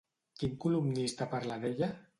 Quin columnista parla d'ella?